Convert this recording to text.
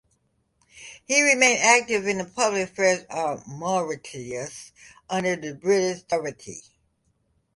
He remained active in the public affairs of Mauritius under British sovereignty.